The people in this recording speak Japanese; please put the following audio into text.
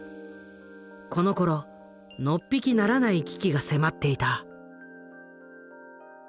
このころのっぴきならない危機が迫っていた。